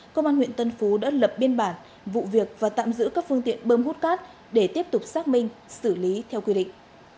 công an huyện tân phú đã lập biên bản vụ việc và tạm giữ các phương tiện bơm hút cát để tiếp tục xác minh xử lý theo quy định